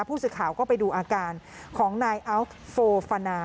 พูดสิข่าวก็ไปดูอาการของนายอาวฟโฟฟาณา